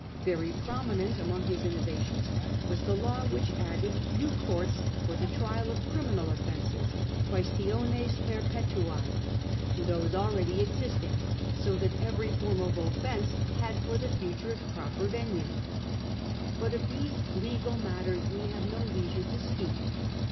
Very prominent among his innova tions was the law which added new courts for the trial of criminal offences {guaestiones perpetuae) to those already existing, so that every form of offence had for the future its proper venue. But of these legal matters we have no leisure to speak.